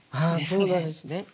そうなんですね。